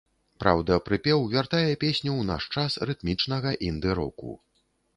Праўда, прыпеў вяртае песню ў наш час рытмічнага інды-року.